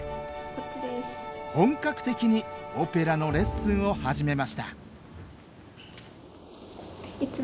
本格的にオペラのレッスンを始めました